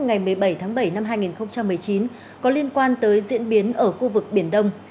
ngày một mươi bảy tháng bảy năm hai nghìn một mươi chín có liên quan tới diễn biến ở khu vực biển đông